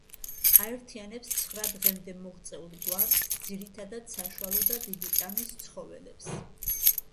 აერთიანებს ცხრა დღემდე მოღწეულ გვარს, ძირითადად საშუალო და დიდი ტანის ცხოველებს.